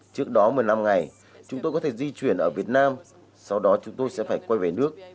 trước đó một mươi năm ngày chúng tôi có thể di chuyển ở việt nam sau đó chúng tôi sẽ phải quay về nước